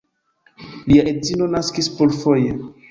Lia edzino naskis plurfoje.